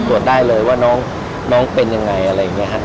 ตรวจได้เลยว่าน้องเป็นยังไงอะไรอย่างนี้ครับ